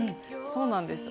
そうなんです。